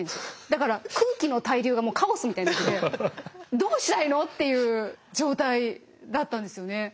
だから空気の対流がカオスみたいになってて「どうしたいの？」っていう状態だったんですよね。